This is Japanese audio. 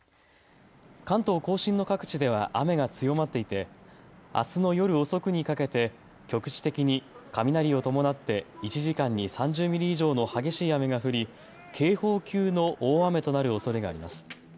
関東甲信の各地では雨が強まっていてあすの夜遅くにかけて局地的に雷を伴って１時間に３０ミリ以上の激しい雨が降り警報級の大雨となるおそれがあります。